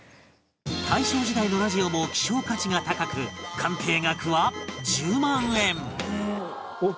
大正時代のラジオも希少価値が高く鑑定額は